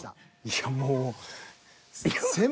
いやもう。